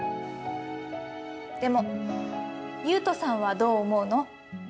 でも、佑都さんはどう思うの？